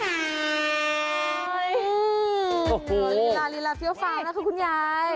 อื้อหูวรีลารีลาฟีเอาฟาวนะคุณยาย